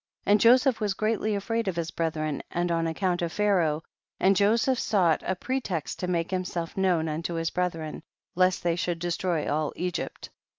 52. And Joseph was greatly afraid of his brethren and on account of Pharaoh, and Joseph sought a pre text to make himself known unto his 174 THE BOOK OF JASHER. brethren, lest they should destroy all Egypt.